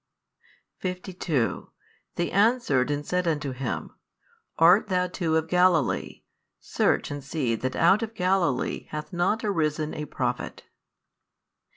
52 They answered and said unto him, Art THOU too of Galilee? search and see that out of Galilee hath not arisen a prophet.